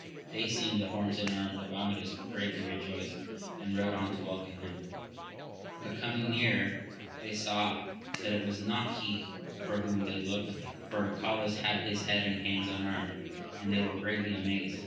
They seeing the horse and arms of Amadis were greatly rejoiced, and rode on to welcome him ; but coming nearer, they saw that it was not he for whom they looked, for Arcalaus had his head and hands unarmed, and they were greatly amazed.